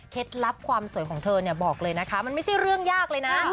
ลับความสวยของเธอเนี่ยบอกเลยนะคะมันไม่ใช่เรื่องยากเลยนะ